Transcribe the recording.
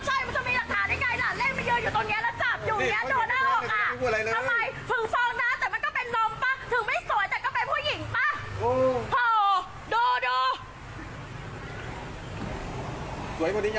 สวยพอดียังไม่อยากเข้าไปอีกแล้วนะครับเออหล่าวันนี้ก็ไม่เคยได้แอ้มหนูเหมือนกันแหละ